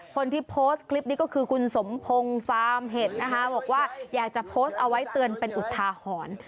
คนที่โพสต์คลิปนี้ก็คือคุณสมพงศ์ฟาร์มเห็ดนะคะบอกว่าอยากจะโพสต์เอาไว้เตือนเป็นอุทาหรณ์